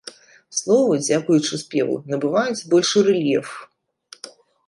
Словы, дзякуючы спеву, набываюць большы рэльеф.